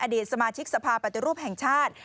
อดีตสมาชิกสภาปฏิรูปแห่งชาติ